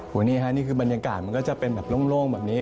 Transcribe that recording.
โอ้โหนี่ฮะนี่คือบรรยากาศมันก็จะเป็นแบบโล่งแบบนี้